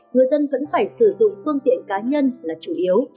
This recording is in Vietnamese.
người dân vẫn phải sử dụng phương tiện cá nhân là chủ yếu